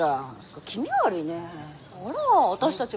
あら私たち